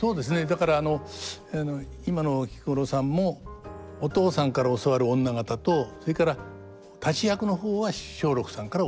だからあの今の菊五郎さんもお父さんから教わる女方とそれから立役の方は松緑さんから教わるという。